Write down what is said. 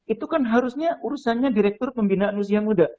itu kan harusnya urusannya direktur pembinaan usia muda